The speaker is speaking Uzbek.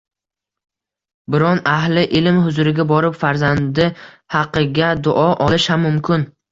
Biron ahli ilm huzuriga borib, farzandi haqiga duo olish ham mumkin.